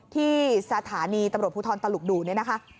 ที่สถานีตำรวจภูทรศ์ตานลุกดูนะคะ